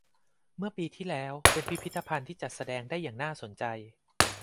เมื่อปีที่แล้ว เป็นพิพิธภัณฑ์ที่จัดแสดงได้อย่างน่าสนใจ